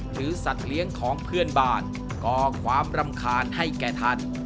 สัตว์เลี้ยงของเพื่อนบ้านก่อความรำคาญให้แก่ท่าน